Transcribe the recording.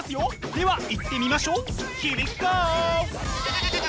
ではいってみましょうヒアウィゴー！